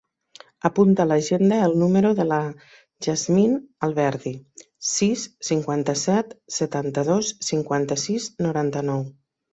Apunta a l'agenda el número de la Yasmine Alberdi: sis, cinquanta-set, setanta-dos, cinquanta-sis, noranta-nou.